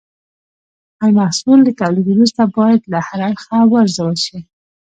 هر محصول له تولید وروسته باید له هر اړخه وارزول شي.